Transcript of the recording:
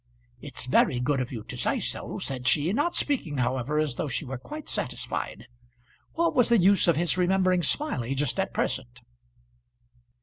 "It's very good of you to say so," said she; not speaking however as though she were quite satisfied. What was the use of his remembering Smiley just at present?